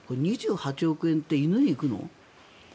２８億円って犬に行くの？